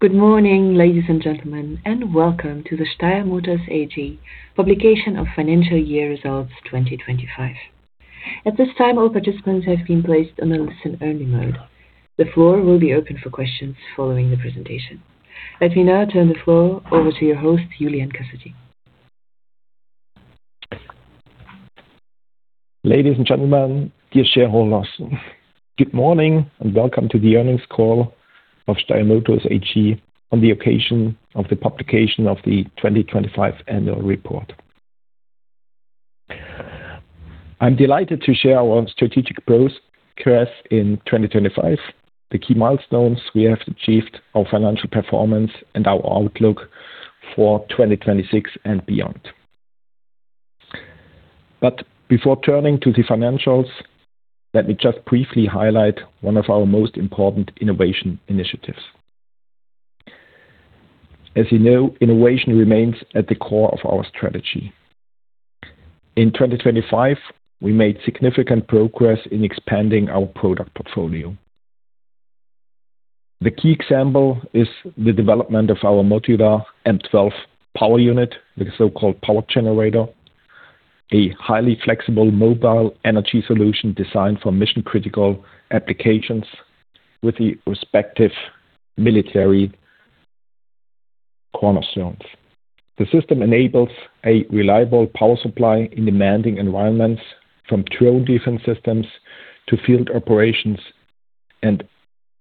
Good morning, ladies and gentlemen, Welcome to the Steyr Motors AG publication of financial year results 2025. At this time, all participants have been placed on a listen-only mode. The floor will be open for questions following the presentation. Let me now turn the floor over to your host, Julian Cassutti. Ladies and gentlemen, dear shareholders, good morning and welcome to the earnings call of Steyr Motors AG on the occasion of the publication of the 2025 annual report. I'm delighted to share our strategic growth course in 2025, the key milestones we have achieved, our financial performance, and our outlook for 2026 and beyond. Before turning to the financials, let me just briefly highlight one of our most important innovation initiatives. As you know, innovation remains at the core of our strategy. In 2025, we made significant progress in expanding our product portfolio. The key example is the development of our modular M12 power unit, the so-called power generator, a highly flexible mobile energy solution designed for mission-critical applications with the respective military cornerstones. The system enables a reliable power supply in demanding environments, from drone defense systems to field operations, and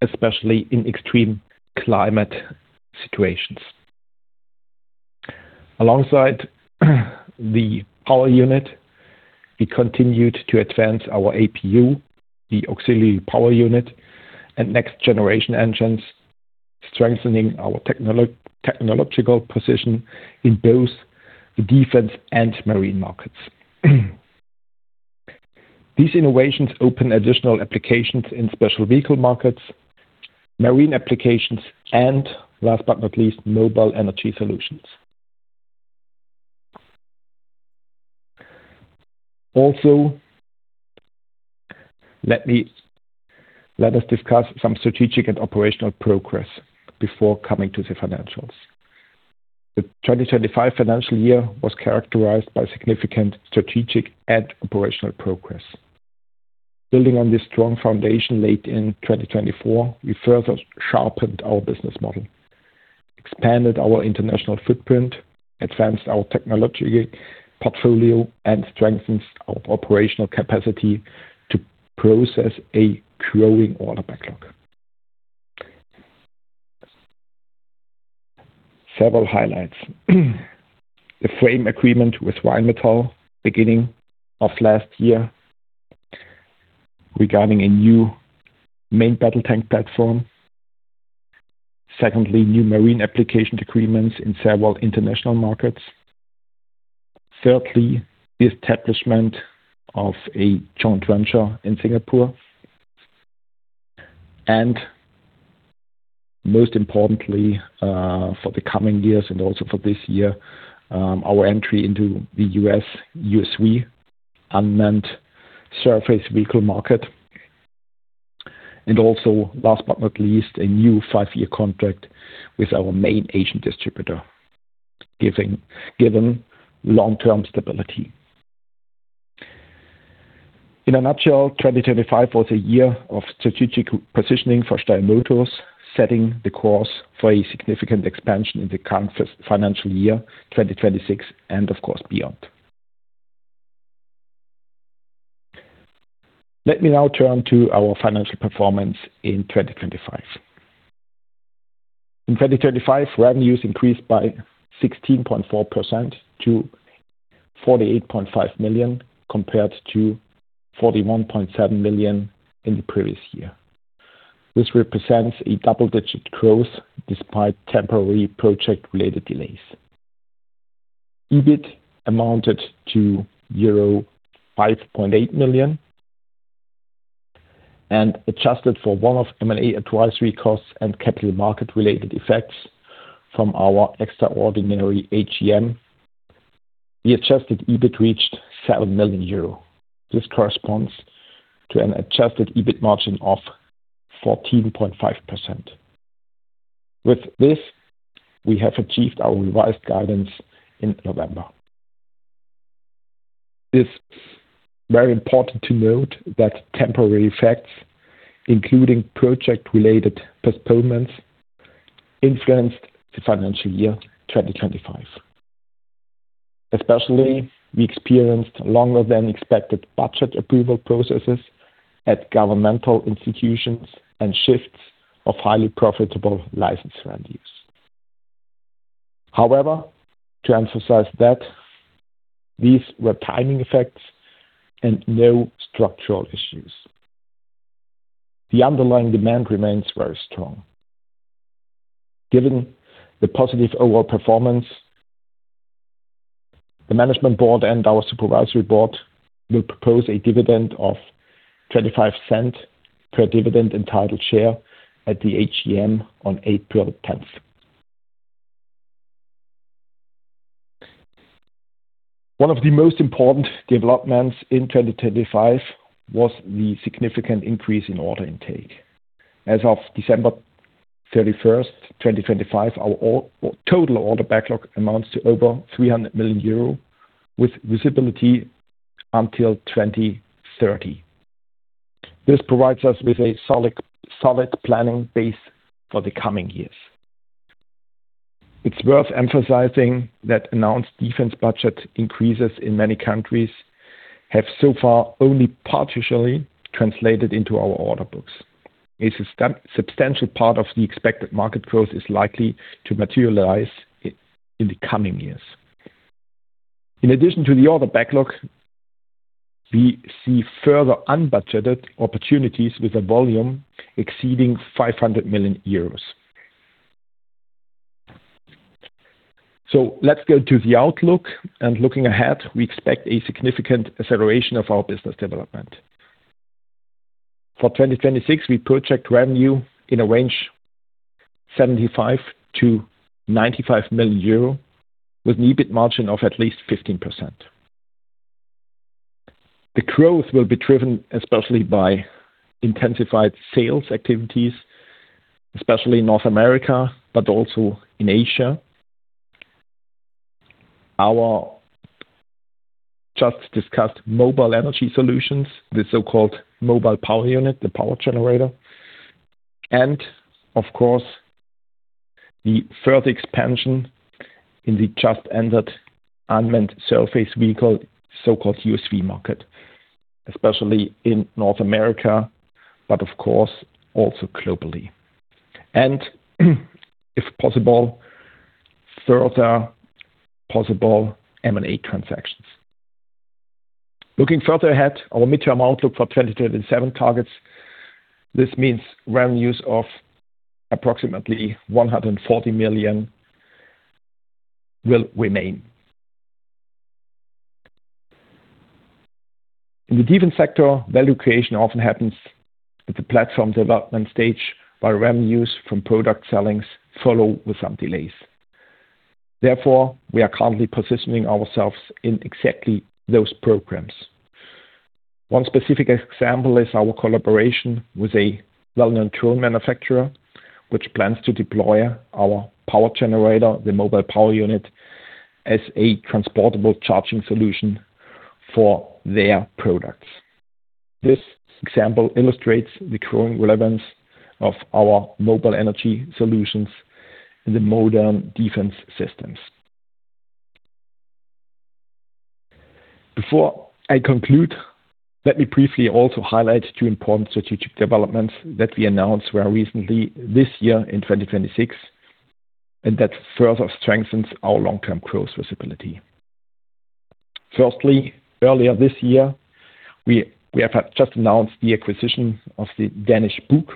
especially in extreme climate situations. Alongside the power unit, we continued to advance our APU, the auxiliary power unit, and next-generation engines, strengthening our technological position in both the defense and marine markets. These innovations open additional applications in special vehicle markets, marine applications, and last but not least, mobile energy solutions. Let us discuss some strategic and operational progress before coming to the financials. The 2025 financial year was characterized by significant strategic and operational progress. Building on this strong foundation laid in 2024, we further sharpened our business model, expanded our international footprint, advanced our technology portfolio, and strengthened our operational capacity to process a growing order backlog. Several highlights. The frame agreement with Rheinmetall beginning of last year regarding a new main battle tank platform. Secondly, new marine application agreements in several international markets. Thirdly, the establishment of a joint venture in Singapore. Most importantly, for the coming years and also for this year, our entry into the U.S. USV unmanned surface vehicle market. Also, last but not least, a new 5-year contract with our main agent distributor, given long-term stability. In a nutshell, 2025 was a year of strategic positioning for Steyr Motors, setting the course for a significant expansion in the current financial year, 2026, and of course, beyond. Let me now turn to our financial performance in 2025. In 2025, revenues increased by 16.4% to 48.5 million, compared to 41.7 million in the previous year. This represents a double-digit growth despite temporary project-related delays. EBIT amounted to EUR 5.8 million. Adjusted for one-off M&A advisory costs and capital market-related effects from our extraordinary AGM, the adjusted EBIT reached 7 million euro. This corresponds to an adjusted EBIT margin of 14.5%. With this, we have achieved our revised guidance in November. It's very important to note that temporary effects, including project-related postponements, influenced the financial year 2025. Especially, we experienced longer than expected budget approval processes at governmental institutions and shifts of highly profitable license revenues. However, to emphasize that, these were timing effects and no structural issues. The underlying demand remains very strong. Given the positive overall performance, the management board and our supervisory board will propose a dividend of 0.25 per dividend entitled share at the AGM on April 10th. One of the most important developments in 2025 was the significant increase in order intake. As of December 31st, 2025, our total order backlog amounts to over 300 million euro with visibility until 2030. This provides us with a solid planning base for the coming years. It's worth emphasizing that announced defense budget increases in many countries have so far only partially translated into our order books. A substantial part of the expected market growth is likely to materialize in the coming years. In addition to the order backlog, we see further unbudgeted opportunities with a volume exceeding 500 million euros. Let's go to the outlook. Looking ahead, we expect a significant acceleration of our business development. For 2026, we project revenue in a range 75 million-95 million euro with an EBIT margin of at least 15%. The growth will be driven especially by intensified sales activities, especially in North America, but also in Asia. Our just discussed mobile energy solutions, the so-called mobile power unit, the power generator, and of course, the further expansion in the just ended unmanned surface vehicle, so-called USV market, especially in North America, but of course also globally. If possible, further possible M&A transactions. Looking further ahead, our midterm outlook for 2027 targets, this means revenues of approximately 140 million will remain. In the defense sector, value creation often happens at the platform development stage, while revenues from product sellings follow with some delays. Therefore, we are currently positioning ourselves in exactly those programs. One specific example is our collaboration with a well-known tool manufacturer, which plans to deploy our power generator, the mobile power unit, as a transportable charging solution for their products. This example illustrates the growing relevance of our mobile energy solutions in the modern defense systems. Before I conclude, let me briefly also highlight two important strategic developments that we announced very recently this year in 2026, and that further strengthens our long-term growth visibility. Firstly, earlier this year, we have just announced the acquisition of the Danish BUKH,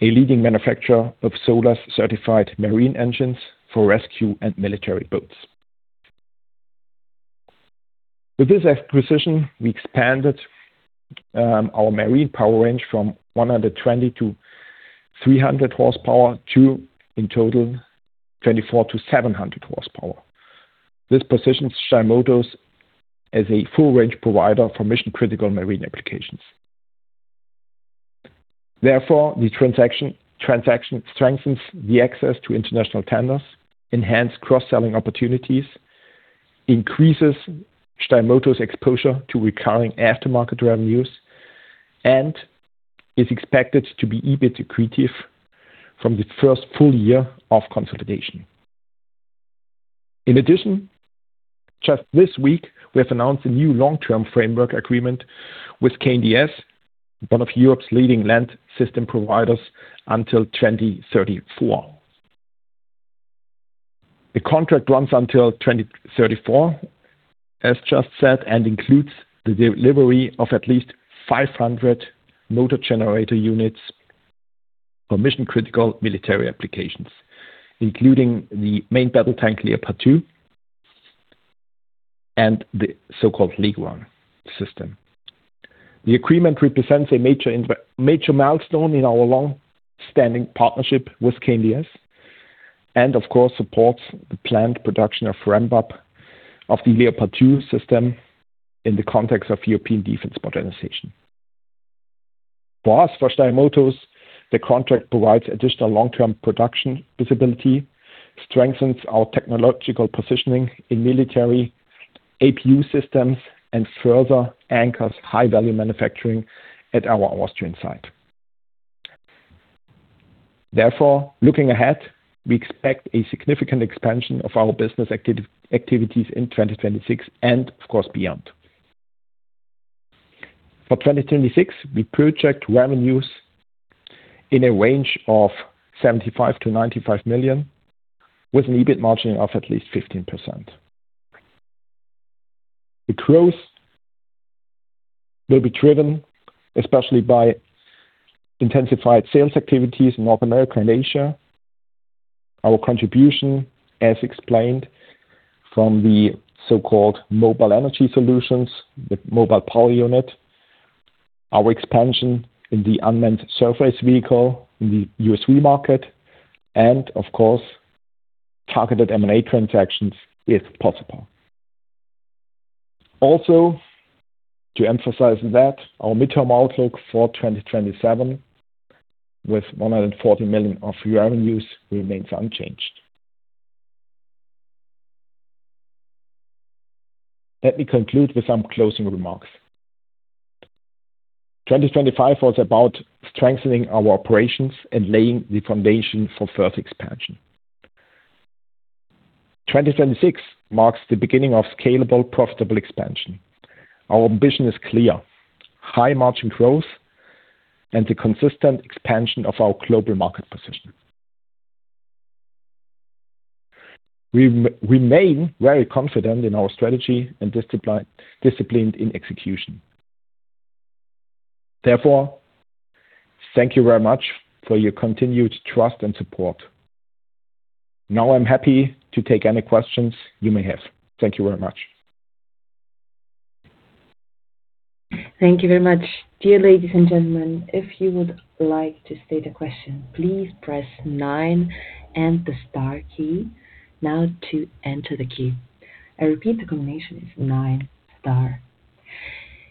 a leading manufacturer of SOLAS-certified marine engines for rescue and military boats. With this acquisition, we expanded our marine power range from 120 to 300 horsepower to, in total, 24 to 700 horsepower. This positions Steyr Motors as a full-range provider for mission-critical marine applications. The transaction strengthens the access to international tenders, enhance cross-selling opportunities, increases Steyr Motors' exposure to recurring aftermarket revenues, and is expected to be EBIT accretive from the first full year of consolidation. Just this week, we have announced a new long-term framework agreement with KNDS, one of Europe's leading land system providers, until 2034. The contract runs until 2034, as just said, and includes the delivery of at least 500 motor generator units for mission-critical military applications, including the main battle tank Leopard 2 and the so-called Leguan system. The agreement represents a major milestone in our long-standing partnership with KNDS and of course, supports the planned production of ramp-up of the Leopard 2 system in the context of European defense modernization. For us, for Steyr Motors, the contract provides additional long-term production visibility, strengthens our technological positioning in military APU systems, and further anchors high-value manufacturing at our Austrian site. Looking ahead, we expect a significant expansion of our business activities in 2026 and of course, beyond. For 2026, we project revenues in a range of 75 million-95 million with an EBIT margin of at least 15%. The growth will be driven, especially by intensified sales activities in North America and Asia. Our contribution, as explained from the so-called mobile energy solutions, the mobile power unit. Our expansion in the unmanned surface vehicle in the USV market and of course targeted M&A transactions if possible. To emphasize that our midterm outlook for 2027 with 140 million of revenues remains unchanged. Let me conclude with some closing remarks. 2025 was about strengthening our operations and laying the foundation for further expansion. 2026 marks the beginning of scalable, profitable expansion. Our ambition is clear. High margin growth and the consistent expansion of our global market position. We remain very confident in our strategy and discipline, disciplined in execution. Thank you very much for your continued trust and support. I'm happy to take any questions you may have. Thank you very much. Thank you very much. Dear ladies and gentlemen, if you would like to state a question, please press nine and the star key now to enter the queue. I repeat, the combination is nine, star.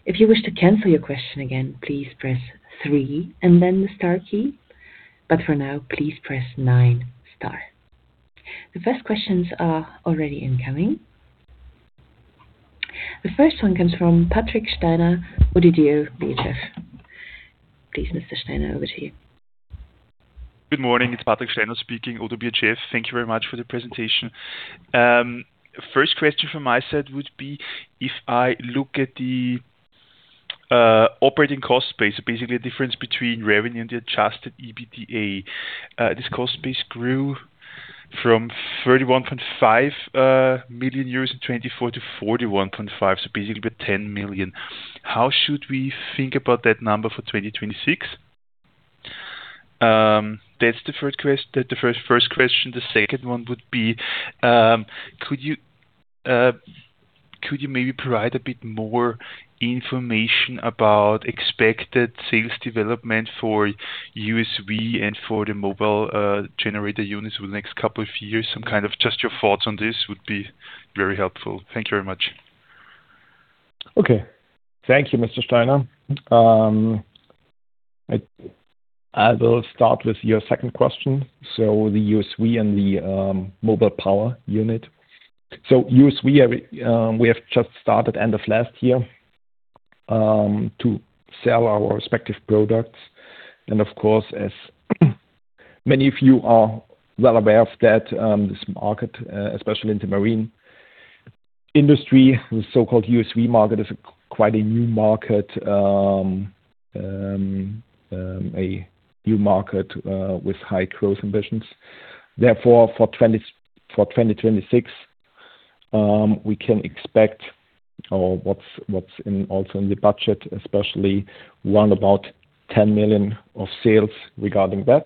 If you wish to cancel your question again, please press three and then the star key. For now, please press nine, star. The first questions are already incoming. The first one comes from Patrick Steiner, ODDO BHF. Please, Mr. Steiner, over to you. Good morning. It's Patrick Steiner speaking, ODDO BHF. Thank you very much for the presentation. First question from my side would be if I look at the operating cost base, basically the difference between revenue and the Adjusted EBITDA, this cost base grew from 31.5 million euros in 2024 to 41.5 million, so basically 10 million. How should we think about that number for 2026? That's the first question. The second one would be, could you maybe provide a bit more information about expected sales development for USV and for the mobile generator units over the next couple of years? Some kind of just your thoughts on this would be very helpful. Thank you very much. Okay. Thank you, Mr. Steiner. I will start with your second question. The USV and the mobile power unit. USV, we have just started end of last year to sell our respective products. Of course, as many of you are well aware of that, this market, especially in the marine industry, the so-called USV market is quite a new market with high growth ambitions. Therefore, for 2026, we can expect or what's in also in the budget, especially around about 10 million of sales regarding that.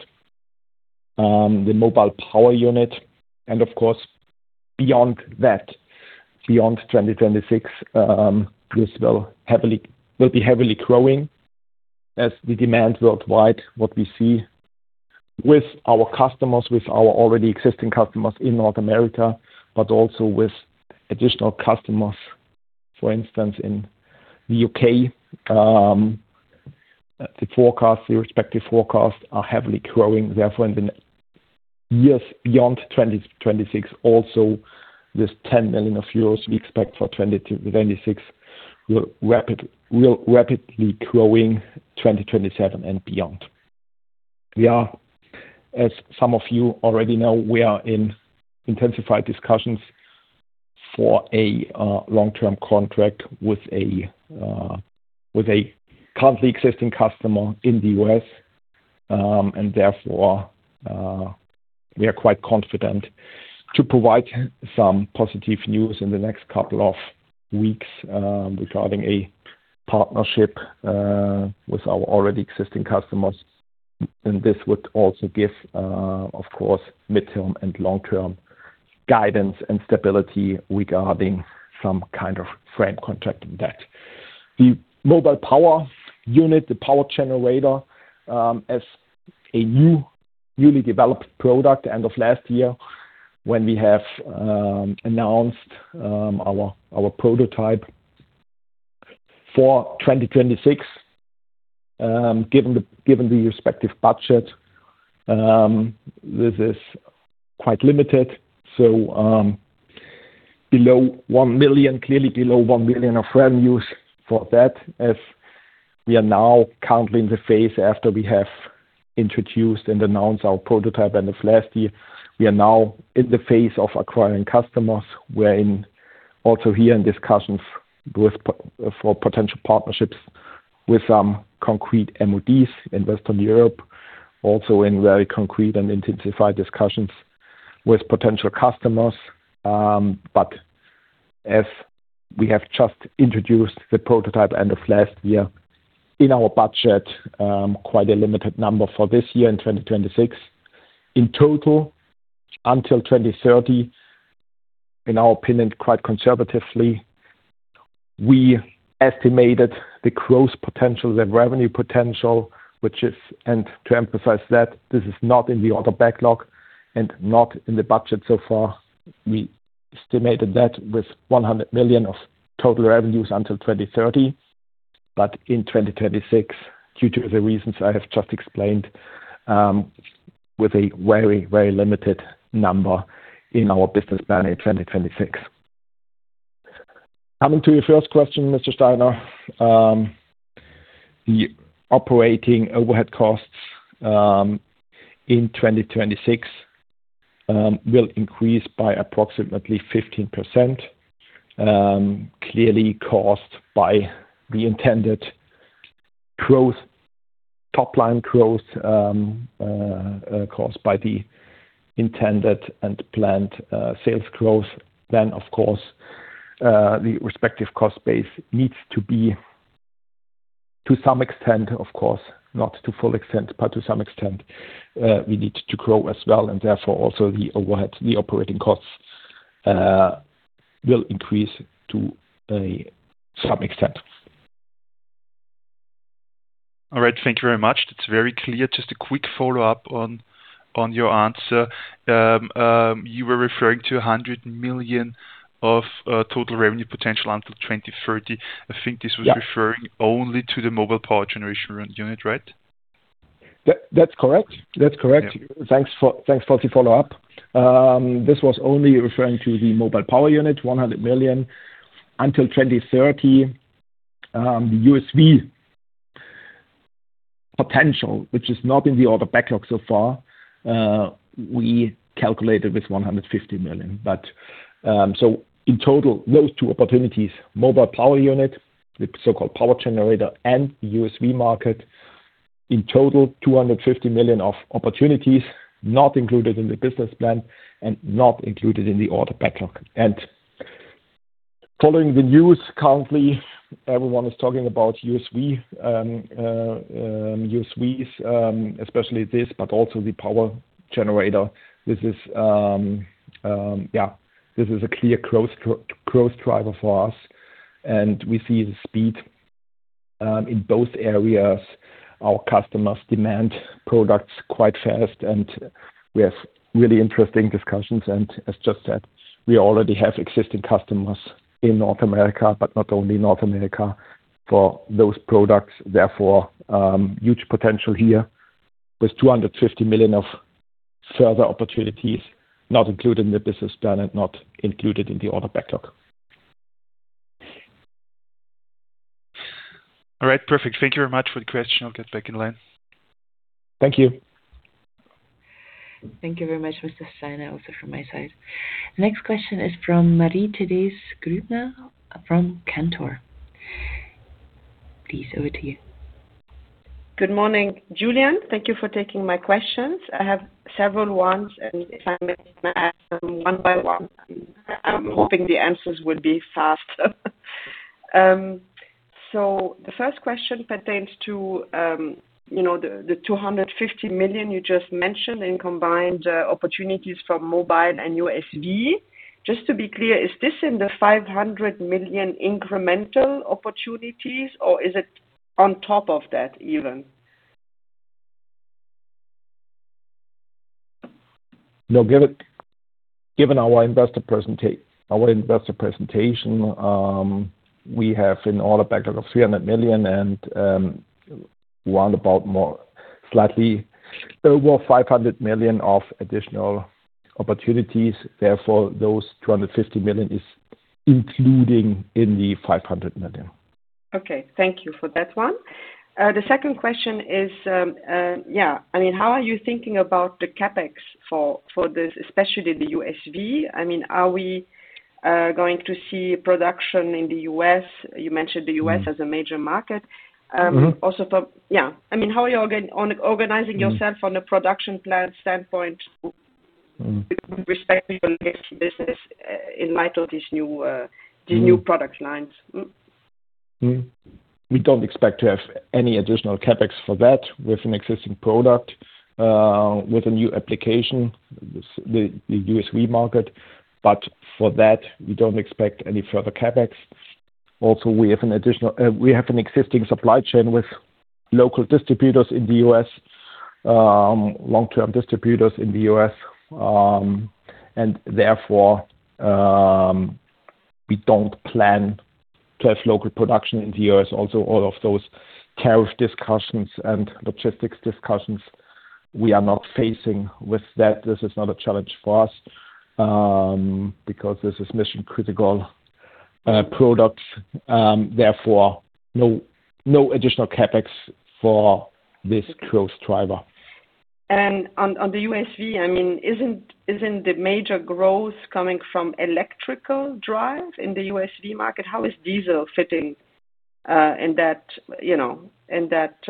The mobile power unit and of course beyond that, beyond 2026, this will be heavily growing as the demand worldwide. What we see with our customers, with our already existing customers in North America, but also with additional customers, for instance, in the UK. The forecast, the respective forecast are heavily growing. Therefore, in the years beyond 2026 also this 10 million euros we expect for 2026 will rapidly growing 2027 and beyond. We are, as some of you already know, we are in intensified discussions for a long-term contract with a currently existing customer in the US, and therefore, we are quite confident to provide some positive news in the next couple of weeks regarding a partnership with our already existing customers. This would also give, of course, midterm and long-term guidance and stability regarding some kind of frame contract in that. The mobile power unit, the power generator, as a newly developed product end of last year when we have announced our prototype. For 2026, given the respective budget, this is quite limited. Below 1 million, clearly below 1 million of revenues for that as we are now currently in the phase after we have introduced and announced our prototype end of last year. We are now in the phase of acquiring customers. We're in also here in discussions for potential partnerships with some concrete MoDs in Western Europe, also in very concrete and intensified discussions with potential customers. As we have just introduced the prototype end of last year in our budget, quite a limited number for this year in 2026. In total, until 2030, in our opinion, quite conservatively, we estimated the growth potential, the revenue potential, which is, and to emphasize that this is not in the order backlog and not in the budget so far. We estimated that with 100 million of total revenues until 2030, but in 2026, due to the reasons I have just explained, with a very, very limited number in our business plan in 2026. Coming to your first question, Mr. Steiner, the operating overhead costs, in 2026, will increase by approximately 15%, clearly caused by the intended growth, top line growth, caused by the intended and planned sales growth. Of course, the respective cost base needs to be to some extent, of course, not to full extent, but to some extent, we need to grow as well and therefore also the overhead, the operating costs, will increase to a some extent. All right. Thank you very much. That's very clear. Just a quick follow-up on your answer. You were referring to 100 million of total revenue potential until 2030. I think this was Yeah. referring only to the mobile power generation unit, right? That's correct. That's correct. Yeah. Thanks for the follow-up. This was only referring to the mobile power unit, 100 million until 2030. The USV potential, which is not in the order backlog so far, we calculated with 150 million. So in total, those two opportunities, mobile power unit, the so-called power generator and USV market, in total, 250 million of opportunities not included in the business plan and not included in the order backlog. Following the news currently, everyone is talking about USV, USVs, especially this, but also the power generator. This is, yeah, this is a clear growth driver for us, and we see the speed in both areas. Our customers demand products quite fast, and we have really interesting discussions. As just said, we already have existing customers in North America, but not only North America, for those products. Huge potential here with 250 million of further opportunities not included in the business plan and not included in the order backlog. All right. Perfect. Thank you very much for the question. I'll get back in line. Thank you. Thank you very much, Mr. Steiner, also from my side. Next question is from Marie-Thérèse Grübner from Cantor. Please, over to you. Good morning, Julian. Thank you for taking my questions. I have several ones, and if I may I ask them one by one? I'm hoping the answers would be faster. The first question pertains to, you know, the 250 million you just mentioned in combined opportunities for mobile and USV. Just to be clear, is this in the 500 million incremental opportunities, or is it on top of that even? Given our investor presentation, we have an order backlog of 300 million and roundabout more slightly over 500 million of additional opportunities. Those 250 million is including in the 500 million. Okay. Thank you for that one. The second question is, yeah. I mean, how are you thinking about the CapEx for this, especially the USV? I mean, are we going to see production in the US? You mentioned the US as a major market. Mm-hmm. Yeah. I mean, how are you organizing yourself from the production plan standpoint with respect to your legacy business, in light of these new, these new product lines? We don't expect to have any additional CapEx for that. We have an existing product with a new application, the USV market. For that, we don't expect any further CapEx. We have an additional we have an existing supply chain with local distributors in the U.S., long-term distributors in the U.S. Therefore, we don't plan to have local production in the U.S. All of those tariff discussions and logistics discussions we are not facing with that. This is not a challenge for us because this is mission-critical products. Therefore, no additional CapEx for this growth driver. On the USV, I mean, isn't the major growth coming from electrical drive in the USV market? How is diesel fitting in that, you know, in that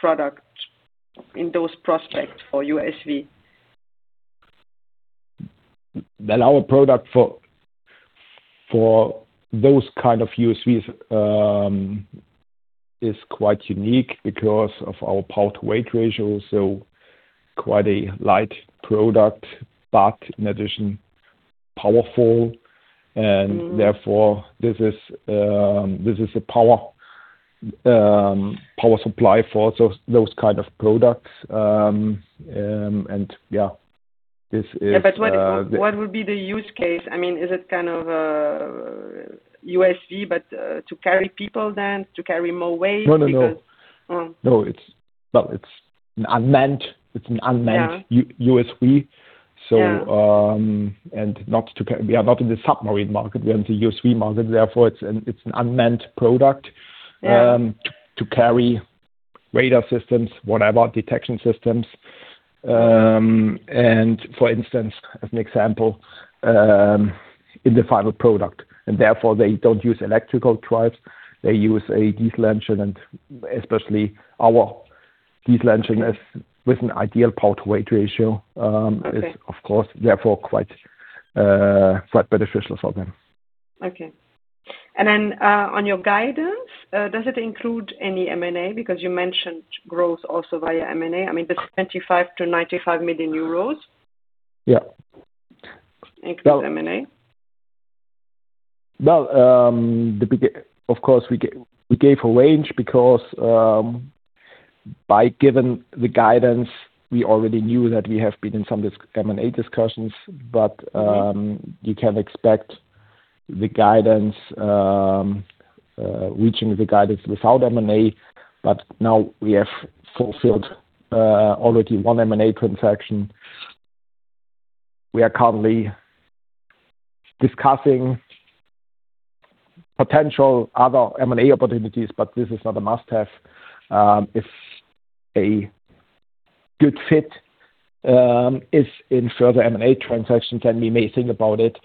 product, in those prospects for USV? Our product for those kind of USVs is quite unique because of our power to weight ratio, so quite a light product, but in addition, powerful. Mm-hmm. This is a power supply for those kind of products, yeah, this is. Yeah, what would be the use case? I mean, is it kind of a USV, to carry people then? To carry more weight? No, no. Because. Oh. No, Well, it's an unmanned. Yeah. USV. Yeah. We are not in the submarine market, we are in the USV market, therefore it's an unmanned product. Yeah. To carry radar systems, whatever detection systems. For instance, as an example, in the final product. Therefore, they don't use electrical drives, they use a diesel engine, and especially our diesel engine is with an ideal power to weight ratio. Okay. It's of course, therefore quite beneficial for them. Okay. Then on your guidance, does it include any M&A? Because you mentioned growth also via M&A. I mean, the 25 million-95 million euros. Yeah. Well- Ex M&A. Of course, we gave a range because, by given the guidance, we already knew that we have been in some M&A discussions, but. Mm-hmm. You can expect the guidance, reaching the guidance without M&A, now we have fulfilled already one M&A transaction. We are currently discussing potential other M&A opportunities, this is not a must-have. If a good fit is in further M&A transactions, then we may think about it,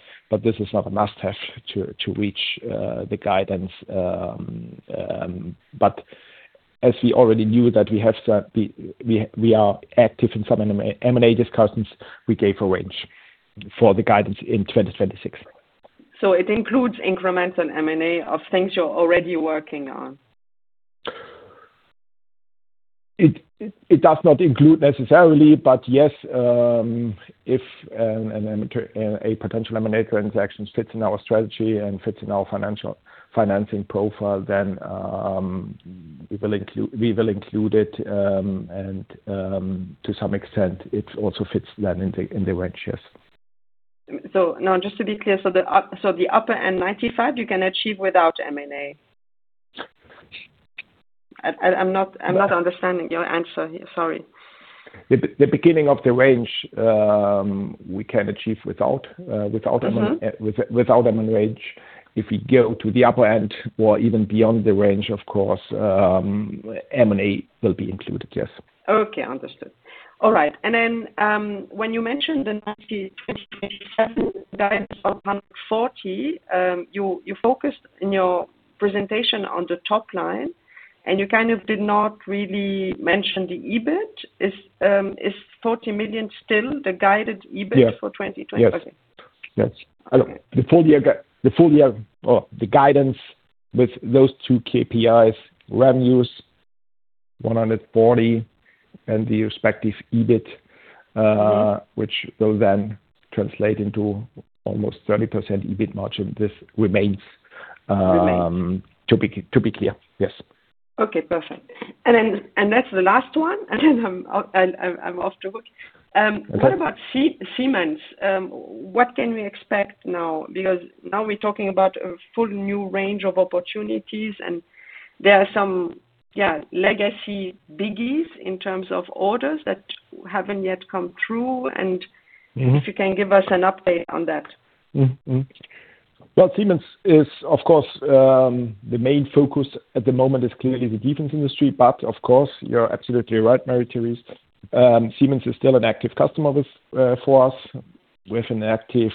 this is not a must-have to reach the guidance. As we already knew that we have We are active in some M&A discussions, we gave a range for the guidance in 2026. It includes increments on M&A of things you're already working on? It does not include necessarily, but yes, if a potential M&A transaction fits in our strategy and fits in our financing profile, then, we will include it. To some extent, it also fits then in the range, yes. Now just to be clear, the upper end 95 you can achieve without M&A? I'm not understanding your answer here, sorry. The beginning of the range, we can achieve without M&A... Mm-hmm. Without M&A range. If we go to the upper end or even beyond the range, of course, M&A will be included, yes. Okay, understood. All right. When you mentioned the 2027 guidance of 140, you focused in your presentation on the top line, and you kind of did not really mention the EBIT. Is 40 million still the guided EBIT? Yes. For 2020? Yes. Okay. Yes. Look, the full year, or the guidance with those two KPIs, revenues 140 and the respective EBIT, which will then translate into almost 30% EBIT margin. This remains. Remains. To be clear, yes. Okay, perfect. Then, and that's the last one. Then I'm off the hook. What about Siemens? What can we expect now? Because now we're talking about a full new range of opportunities, and there are some, yeah, legacy biggies in terms of orders that haven't yet come through. Mm-hmm. If you can give us an update on that. Siemens is, of course, the main focus at the moment is clearly the defense industry. Of course, you're absolutely right, Marie-Thérèse. Siemens is still an active customer with for us. We have an active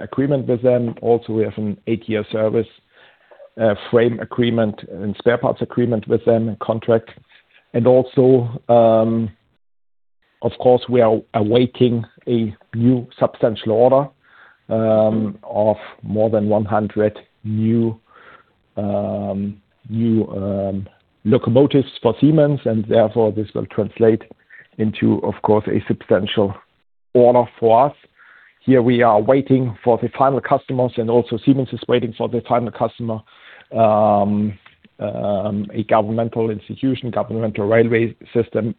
agreement with them. We have an 8-year service frame agreement and spare parts agreement with them and contract. Of course, we are awaiting a new substantial order of more than 100 new locomotives for Siemens, this will translate into, of course, a substantial order for us. Here we are waiting for the final customers, Siemens is waiting for the final customer, a governmental institution, governmental railway system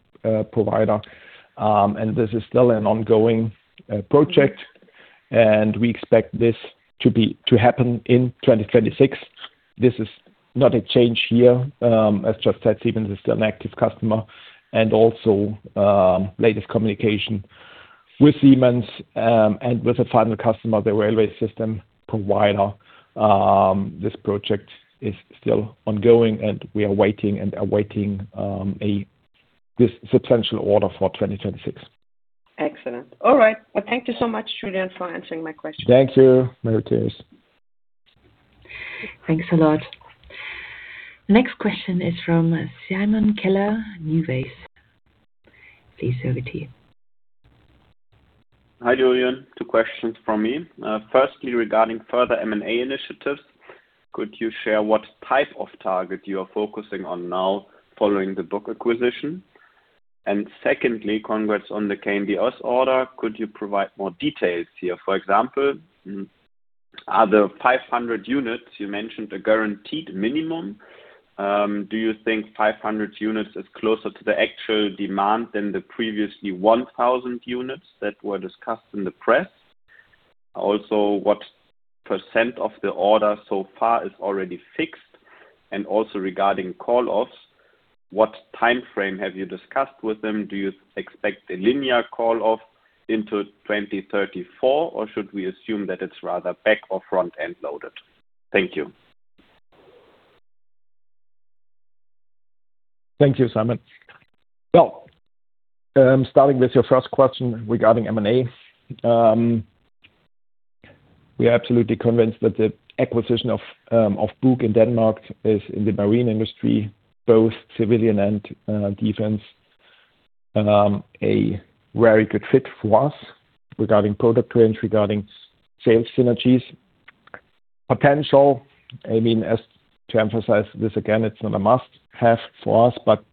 provider. This is still an ongoing project. We expect this to happen in 2026. This is not a change here. As just said, Siemens is still an active customer. Also, latest communication with Siemens, and with the final customer, the railway system provider, this project is still ongoing, and we are waiting and awaiting this substantial order for 2026. Excellent. All right. Well, thank you so much, Julian, for answering my questions. Thank you, Marie-Thérèse. Thanks a lot. Next question is from Simon Keller, Nuways. Please over to you. Hi, Julian. Two questions from me. Firstly, regarding further M&A initiatives, could you share what type of target you are focusing on now following the BUKH acquisition? Secondly, congrats on the KNDS order. Could you provide more details here? For example, are the 500 units you mentioned a guaranteed minimum? Do you think 500 units is closer to the actual demand than the previously 1,000 units that were discussed in the press? What percent of the order so far is already fixed? Regarding call offs, what time frame have you discussed with them? Do you expect a linear call off into 2034, or should we assume that it's rather back or front-end loaded? Thank you. Thank you, Simon. Well, starting with your first question regarding M&A. We are absolutely convinced that the acquisition of BUKH in Denmark is in the marine industry, both civilian and defense, a very good fit for us regarding product range, regarding sales synergies. Potential, I mean, as to emphasize this, again, it's not a must-have for us, but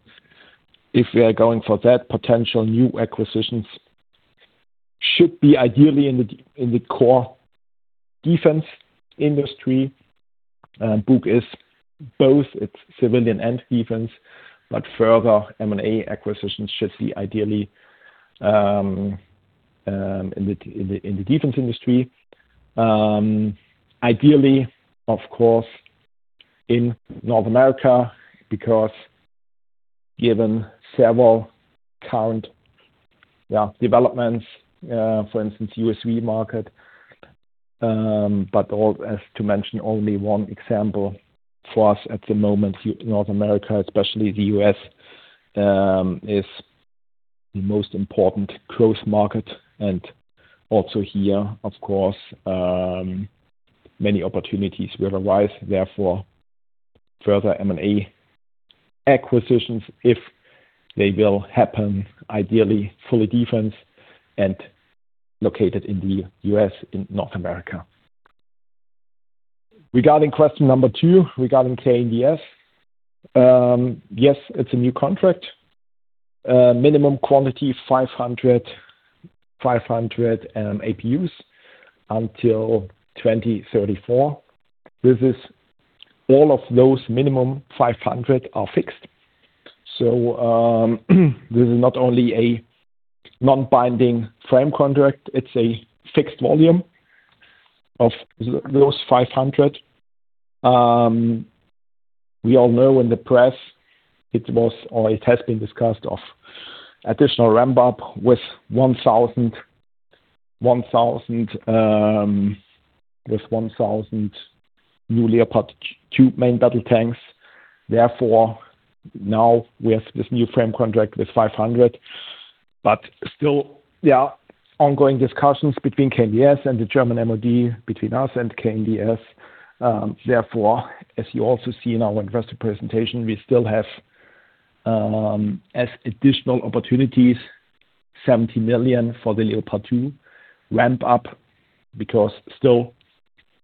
if we are going for that, potential new acquisitions should be ideally in the core defense industry. BUKH both, it's civilian and defense, but further M&A acquisitions should see ideally in the defense industry. Ideally, of course, in North America, because given several current, yeah, developments, for instance, USV market. Or as to mention only one example for us at the moment, North America, especially the US, is the most important growth market. Also here, of course, many opportunities will arise. Therefore, further M&A acquisitions, if they will happen, ideally fully defense and located in the US, in North America. Regarding question number two, regarding KNDS. Yes, it's a new contract. Minimum quantity, 500 APUs until 2034. This is all of those minimum 500 are fixed. This is not only a non-binding frame contract, it's a fixed volume of those 500. We all know in the press it was or it has been discussed of additional ramp-up with 1,000 new Leopard 2 main battle tanks. Now we have this new frame contract with 500. Still there are ongoing discussions between KNDS and the German MoD, between us and KNDS. Therefore, as you also see in our investor presentation, we still have, as additional opportunities, 70 million for the Leopard 2 ramp up because still,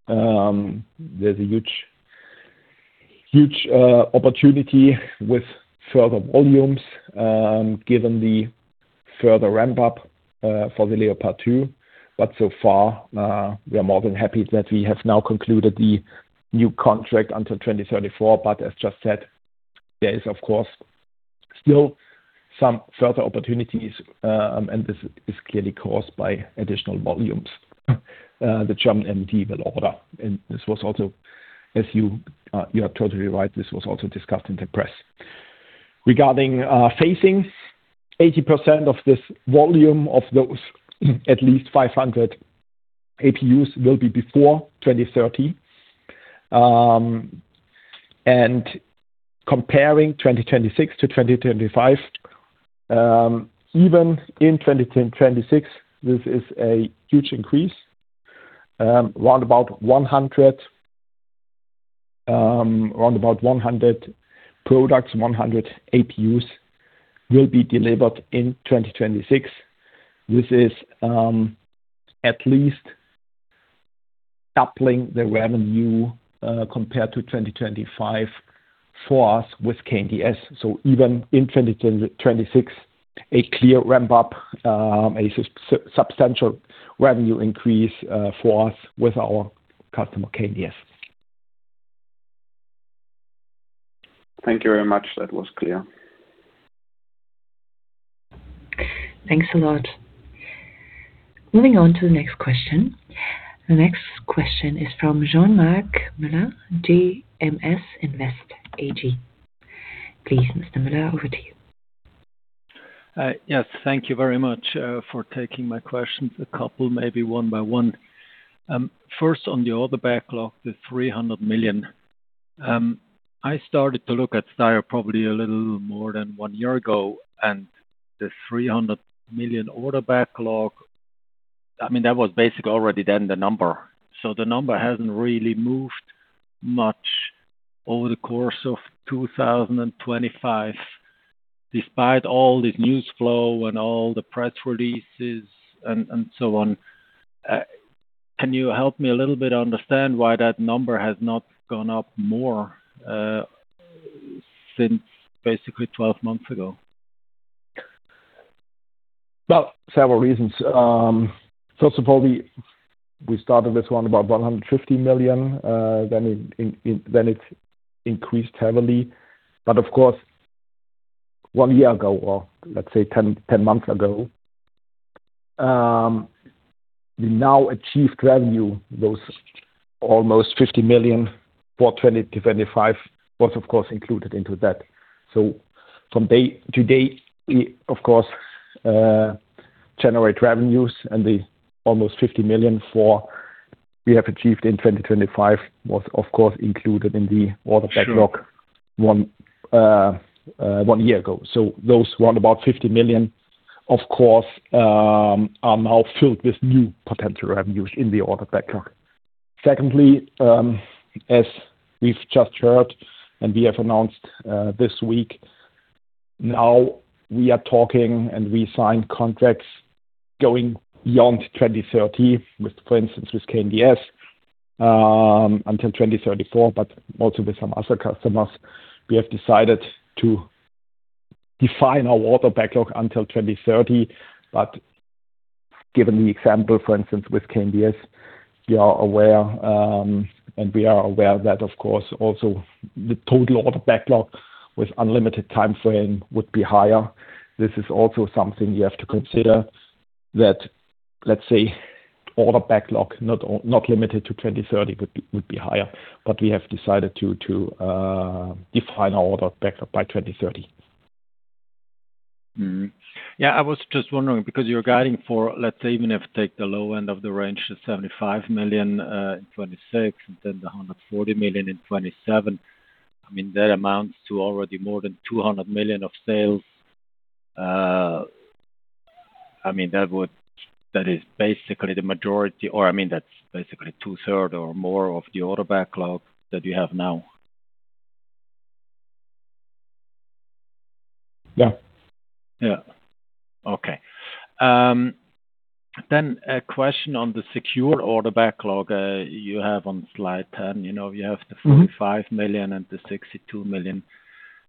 there's a huge opportunity with further volumes, given the further ramp up for the Leopard 2. So far, we are more than happy that we have now concluded the new contract until 2034. As just said, there is of course still some further opportunities, and this is clearly caused by additional volumes, the German MoD will order. This was also, as you are totally right, this was also discussed in the press. Regarding phasing, 80% of this volume of those, at least 500 APUs will be before 2030. Comparing 2026 to 2025, even in 2026, this is a huge increase. Round about 100 products, 100 APUs will be delivered in 2026. This is at least doubling the revenue compared to 2025 for us with KNDS. Even in 2026, a clear ramp-up, a substantial revenue increase for us with our customer, KNDS. Thank you very much. That was clear. Thanks a lot. Moving on to the next question. The next question is from Jean-Marc Müller, JMS Invest AG. Please, Mr. Müller, over to you. Yes, thank you very much, for taking my questions. A couple, maybe one by one. First on the order backlog, the 300 million. I started to look at Steyr Motors probably a little more than 1 year ago, and the 300 million order backlog I mean, that was basically already then the number. The number hasn't really moved much over the course of 2025, despite all the news flow and all the press releases and so on. Can you help me a little bit understand why that number has not gone up more, since basically 12 months ago? Well, several reasons. First of all, we started with around about 150 million, then it increased heavily. Of course, 1 year ago, or let's say 10 months ago, the now achieved revenue, those almost 50 million for 2020-2025, was of course included into that. From day to date, we of course generate revenues and the almost 50 million for we have achieved in 2025 was of course included in the order backlog 1 year ago. Those around about 50 million of course are now filled with new potential revenues in the order backlog. Secondly, as we've just heard and we have announced this week, now we are talking and we signed contracts going beyond 2030 with, for instance, with KNDS, until 2034, but also with some other customers. We have decided to define our order backlog until 2030. Given the example, for instance, with KNDS, we are aware, and we are aware that of course also the total order backlog with unlimited timeframe would be higher. This is also something you have to consider that, let's say order backlog, not limited to 2030 would be higher. We have decided to define our order backlog by 2030. Yeah. I was just wondering, because you're guiding for, let's say, even if take the low end of the range, the 75 million in 2026, and then the 140 million in 2027, I mean, that amounts to already more than 200 million of sales. I mean, that is basically the majority or I mean, that's basically 2/3 or more of the order backlog that you have now. Yeah. Yeah. Okay. Then a question on the secure order backlog, you have on slide 10, you know, you have the 45 million and the 62 million.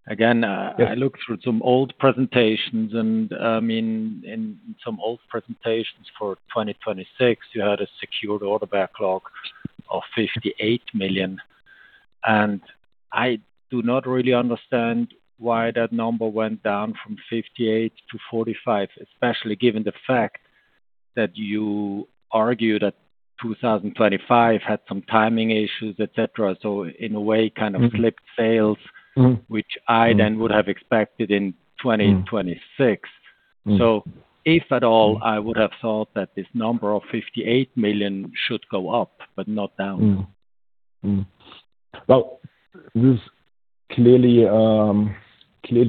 Again, I looked through some old presentations and, I mean, in some old presentations for 2026, you had a secured order backlog of 58 million. I do not really understand why that number went down from 58 to 45, especially given the fact that you argue that 2025 had some timing issues, et cetera. In a way, kind of flipped sales, which I then would have expected in 2026. Mm-hmm. If at all, I would have thought that this number of 58 million should go up but not down. This clearly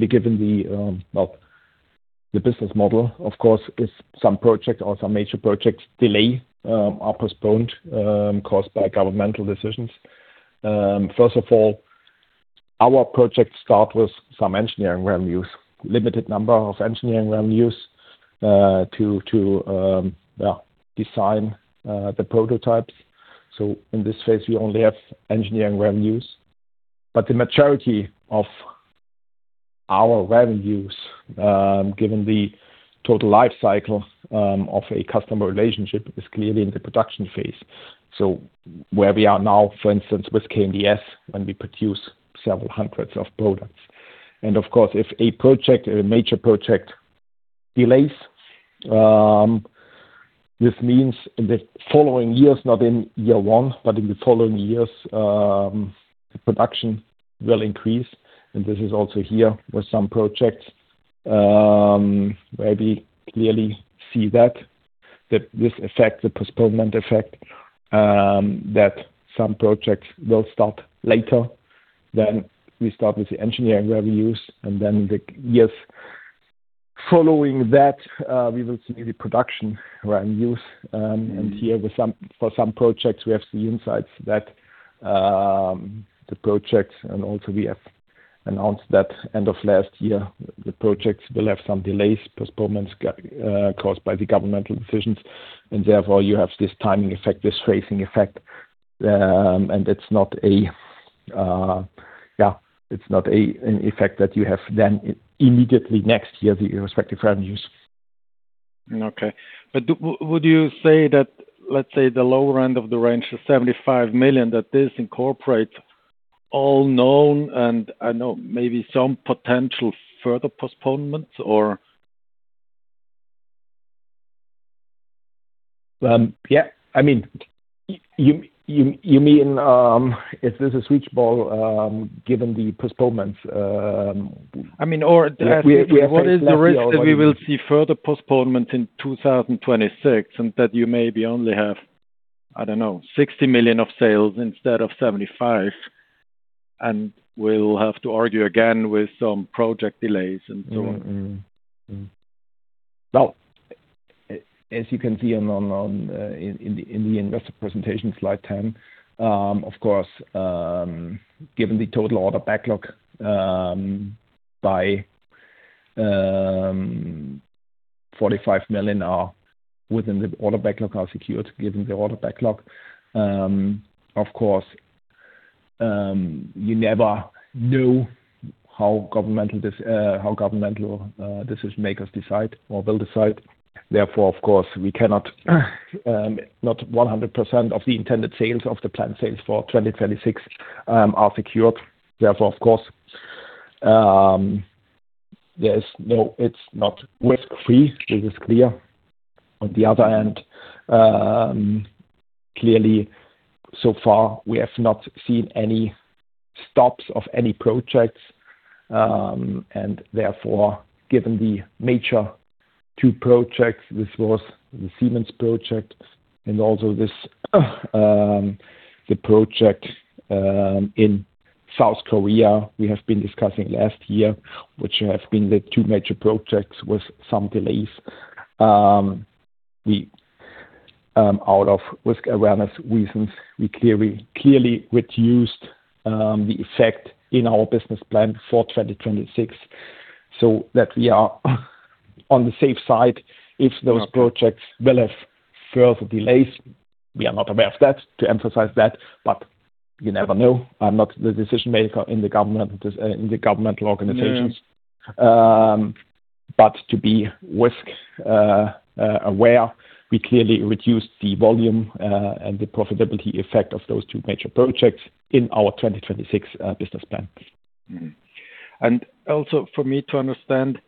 given the business model, of course, is some project or some major projects delay, are postponed, caused by governmental decisions. First of all, our project start with some engineering revenues, limited number of engineering revenues, to design the prototypes. In this phase we only have engineering revenues. The majority of our revenues, given the total life cycle of a customer relationship is clearly in the production phase. Where we are now, for instance, with KNDS, when we produce several hundreds of products. Of course, if a project, a major project delays, this means in the following years, not in year one, but in the following years, the production will increase. This is also here with some projects, where we clearly see that this effect, the postponement effect, that some projects will start later. We start with the engineering revenues, and then the years following that, we will see the production revenues. Here for some projects, we have seen insights that the projects and also we have announced that end of last year, the projects will have some delays, postponements caused by the governmental decisions. Therefore, you have this timing effect, this phasing effect. It's not a. It's not an effect that you have then immediately next year, the respective revenues. Okay. Would you say that, let's say the lower end of the range, the 75 million, that this incorporates all known, and I know maybe some potential further postponements or? Yeah. I mean, you mean, if this is reachable, given the postponements. I mean, or as. Like we have said- What is the risk that we will see further postponement in 2026 and that you maybe only have, I don't know, 60 million of sales instead of 75 million? We'll have to argue again with some project delays and so on. Mm-hmm. As you can see on the investor presentation, slide 10, of course, given the total order backlog, by 45 million are within the order backlog are secured, given the order backlog. Of course, you never know how governmental this, how governmental decision-makers decide or will decide. Therefore, of course, we cannot, not 100% of the intended sales of the planned sales for 2026 are secured. Therefore, of course, there's no. It's not risk-free. It is clear. On the other hand, clearly, so far, we have not seen any stops of any projects. Therefore, given the major two projects, this was the Siemens project and also this, the project in South Korea we have been discussing last year, which have been the two major projects with some delays. We, out of risk awareness reasons, we clearly reduced the effect in our business plan for 2026 so that we are on the safe side if those projects will have further delays. We are not aware of that, to emphasize that, but you never know. I'm not the decision-maker in the government, in the governmental organizations. Mm. To be risk aware, we clearly reduced the volume and the profitability effect of those two major projects in our 2026 business plan. Mm-hmm. Also for me to understand,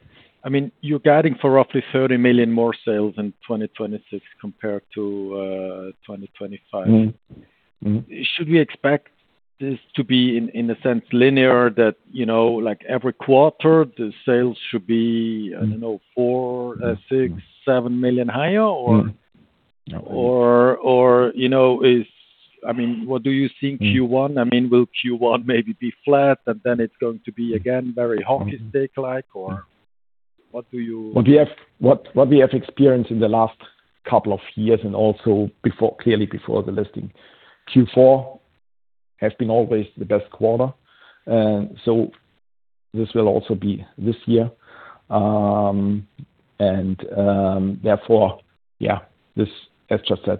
I mean, you're guiding for roughly 30 million more sales in 2026 compared to 2025. Mm-hmm. Should we expect this to be in a sense linear that, you know, like every quarter the sales should be, I don't know, 4 million, 6 million, 7 million higher or? Mm-hmm. You know, is I mean, what do you see in Q1? I mean, will Q1 maybe be flat, and then it's going to be again very hockey stick like or what do you? What we have experienced in the last couple of years and also before, clearly before the listing, Q4 has been always the best quarter. This will also be this year. Therefore, this, as just said,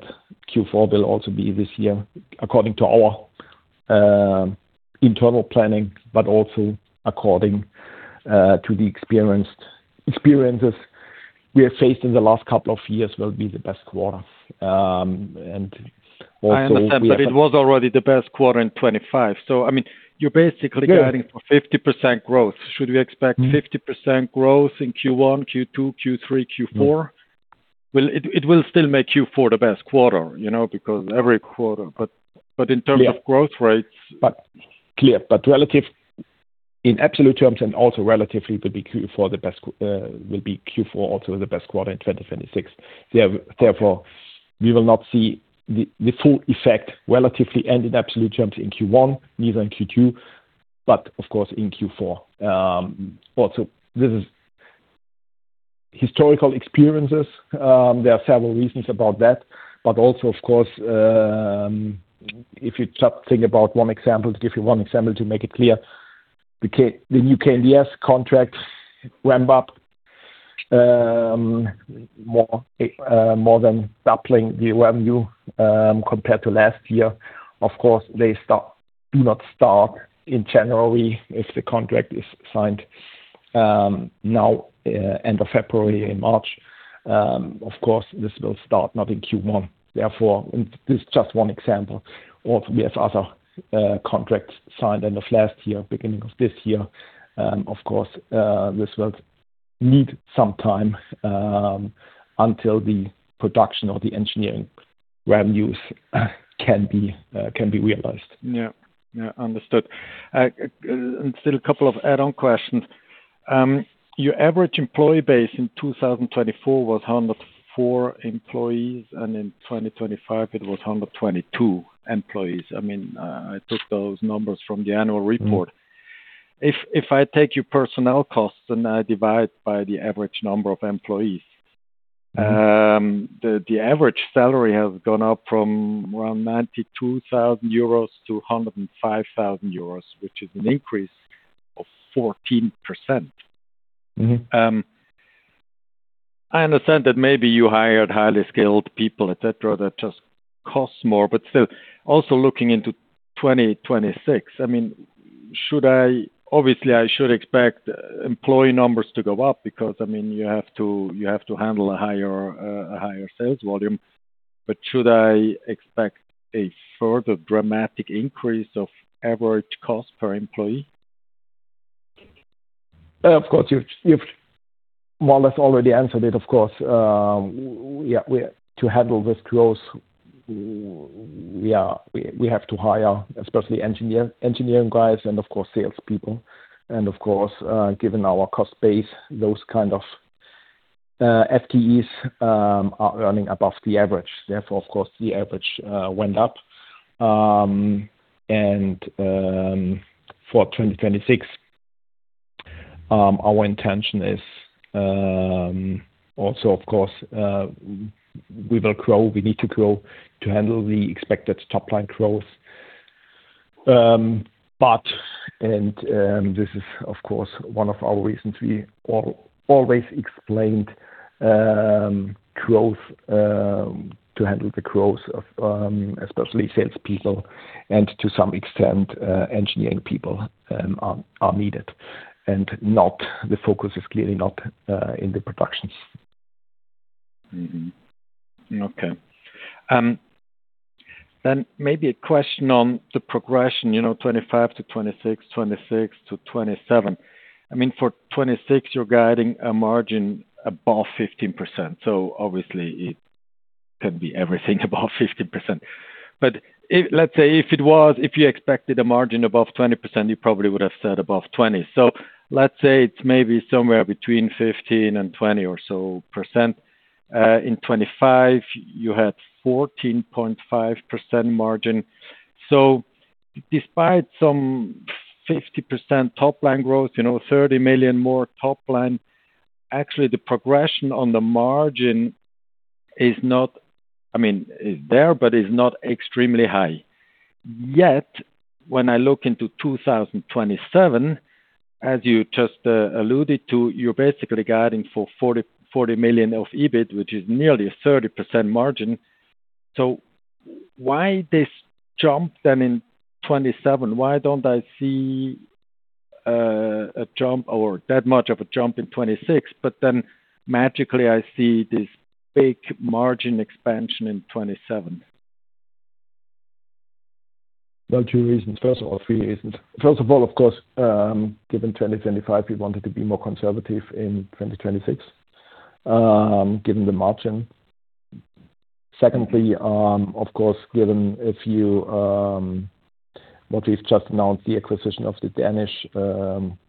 Q4 will also be this year according to our internal planning, but also according to the experiences we have faced in the last couple of years will be the best quarter. I understand. It was already the best quarter in 2025. I mean, you're basically- Yeah. -guiding for 50% growth. Should we expect? Mm. 50% growth in Q1, Q2, Q3, Q4? Mm. It will still make Q4 the best quarter, you know, because every quarter. In terms... Yeah. of growth rates. Clear. Relative, in absolute terms and also relatively will be Q4 the best quarter in 2026. Therefore, we will not see the full effect relatively and in absolute terms in Q1, neither in Q2, but of course, in Q4. Also, this is historical experiences. There are several reasons about that, but also of course, if you just think about one example, to give you one example to make it clear, the KNDS contracts ramp up, more than doubling the revenue, compared to last year. Of course, they start, do not start in January if the contract is signed, now, end of February and March. Of course, this will start not in Q1. Therefore, this is just one example. We have other contracts signed end of last year, beginning of this year. This will need some time until the production or the engineering revenues can be realized. Yeah. Yeah. Understood. Still a couple of add-on questions. Your average employee base in 2024 was 104 employees, and in 2025 it was 122 employees. I mean, I took those numbers from the annual report. Mm-hmm. If I take your personnel costs and I divide by the average number of employees. Mm-hmm. The average salary has gone up from around 92,000 euros to 105,000 euros, which is an increase of 14%. Mm-hmm. I understand that maybe you hired highly skilled people, et cetera, that just cost more. Still, also looking into 2026, I mean, obviously, I should expect employee numbers to go up because, I mean, you have to handle a higher, a higher sales volume. Should I expect a further dramatic increase of average cost per employee? Of course, you've more or less already answered it, of course. To handle this growth, we have to hire, especially engineering guys and of course, salespeople. Of course, given our cost base, those kind of FTEs are earning above the average. Therefore, of course, the average went up. For 2026, our intention is also of course, we will grow. We need to grow to handle the expected top-line growth. This is of course one of our reasons we always explained, growth to handle the growth of especially salespeople and to some extent, engineering people are needed. The focus is clearly not in the productions. Okay. Maybe a question on the progression, you know, 2025 to 2026 to 2027. I mean, for 2026, you're guiding a margin above 15%, obviously it can be everything above 15%. If... let's say if it was, if you expected a margin above 20%, you probably would have said above 20. Let's say it's maybe somewhere between 15%-20% or so. In 2025 you had 14.5% margin. Despite some 50% top-line growth, you know, 30 million more top line, actually the progression on the margin is not I mean, is there, but is not extremely high. When I look into 2027, as you just alluded to, you're basically guiding for 40 million of EBIT, which is nearly a 30% margin. Why this jump in 2027? Why don't I see a jump or that much of a jump in 2026, magically I see this big margin expansion in 2027? Well, two reasons. First of all, three reasons. First of all, of course, given 2025, we wanted to be more conservative in 2026, given the margin. Secondly, of course, given a few, what we've just announced, the acquisition of the Danish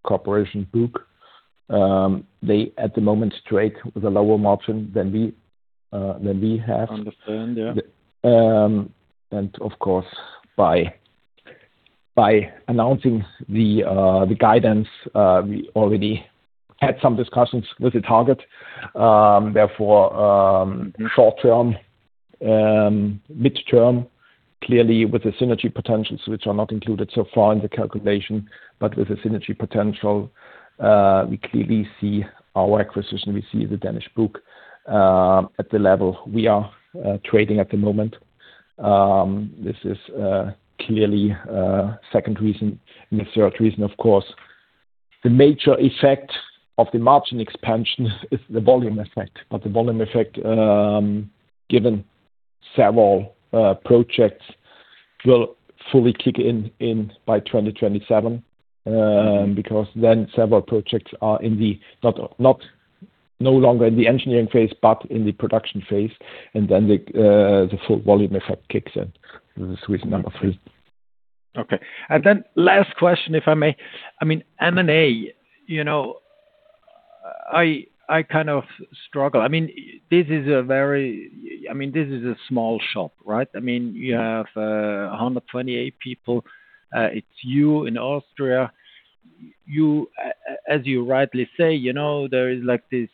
corporation BUKH, they at the moment trade with a lower margin than we, than we have. Understand. Yeah. Of course, by announcing the guidance, we already had some discussions with the target. Therefore, short term, mid-term, clearly with the synergy potentials which are not included so far in the calculation, but with the synergy potential, we clearly see our acquisition, we see the Danish BUKH, at the level we are trading at the moment. This is clearly second reason. The third reason, of course, the major effect of the margin expansion is the volume effect. The volume effect, given several projects, will fully kick in by 2027, because then several projects are no longer in the engineering phase, but in the production phase. Then the full volume effect kicks in. This is reason number three. Okay. Last question, if I may. I mean, M&A, you know, I kind of struggle. I mean, this is a small shop, right? I mean, you have 128 people. It's you in Austria. You, as you rightly say, you know, there is like this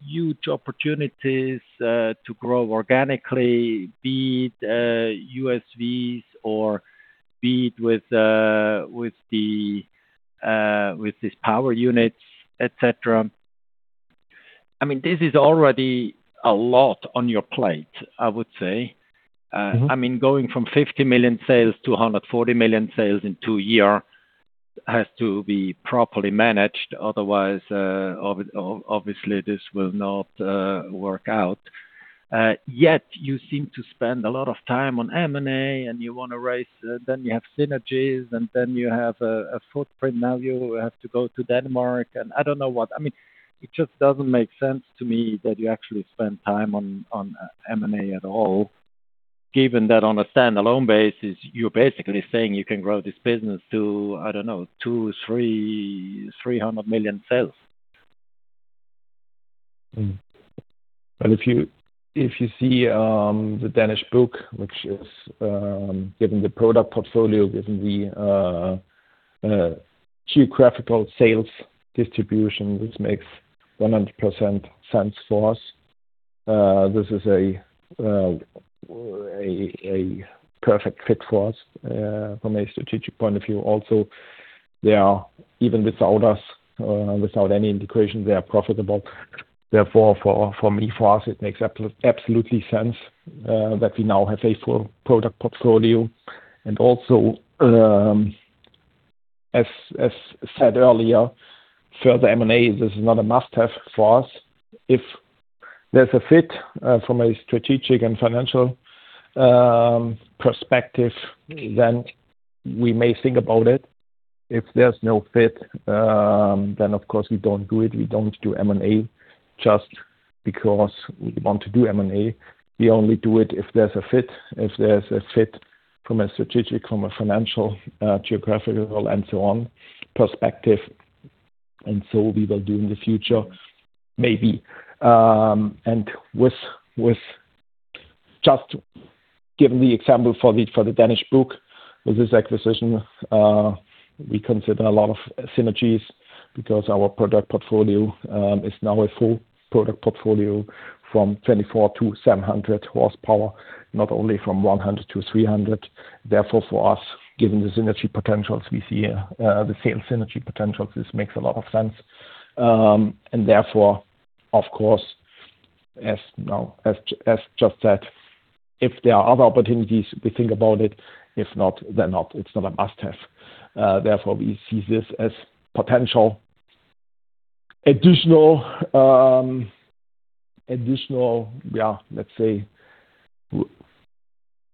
huge opportunities to grow organically, be it USVs or be it with the, with these power units, et cetera. I mean, this is already a lot on your plate, I would say. Mm-hmm. I mean, going from 50 million sales to 140 million sales in 2 year has to be properly managed, otherwise, obviously this will not work out. Yet you seem to spend a lot of time on M&A, and you wanna raise, then you have synergies, and then you have a footprint. Now you have to go to Denmark, and I don't know what. I mean, it just doesn't make sense to me that you actually spend time on M&A at all, given that on a standalone basis, you're basically saying you can grow this business to, I don't know, 200 million-300 million sales. If you see, the Danish BUKH, which is, given the product portfolio, given the geographical sales distribution, which makes 100% sense for us, this is a perfect fit for us from a strategic point of view. They are, even without us, without any integration, they are profitable. Therefore, for me, for us, it makes absolutely sense that we now have a full product portfolio. Also, as said earlier, further M&A is not a must-have for us. If there's a fit, from a strategic and financial, perspective... Mm then we may think about it. If there's no fit, then of course we don't do it. We don't do M&A just because we want to do M&A. We only do it if there's a fit. If there's a fit from a strategic, from a financial, geographical and so on perspective. We will do in the future, maybe. With just given the example for the Danish BUKH, with this acquisition, we consider a lot of synergies because our product portfolio is now a full product portfolio from 24 to 700 horsepower, not only from 100 to 300. Therefore, for us, given the synergy potentials we see, the sales synergy potential, this makes a lot of sense. Therefore, of course, as now, as just said, if there are other opportunities, we think about it. If not, they're not. It's not a must-have. Therefore, we see this as potential additional additional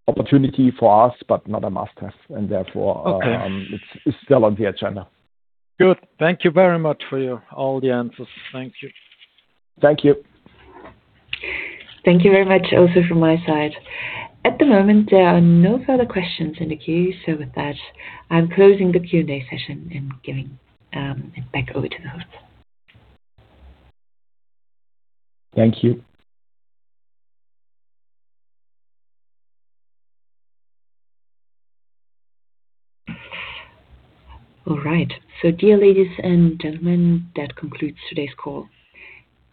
opportunity for us, but not a must-have. Therefore. Okay. It's still on the agenda. Good. Thank you very much for your all the answers. Thank you. Thank you. Thank you very much also from my side. At the moment, there are no further questions in the queue. With that, I'm closing the Q&A session and giving it back over to the host. Thank you. All right. Dear ladies and gentlemen, that concludes today's call.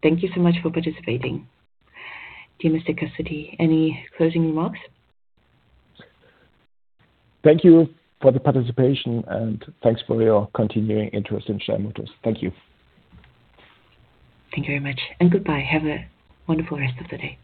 Thank you so much for participating. Dear Mr. Cassutti, any closing remarks? Thank you for the participation, and thanks for your continuing interest in Steyr Motors. Thank you. Thank you very much. Goodbye. Have a wonderful rest of the day.